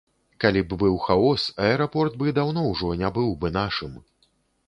Калі б быў хаос, аэрапорт бы даўно ўжо не быў бы нашым.